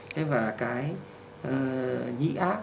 thế và cái nhĩ áp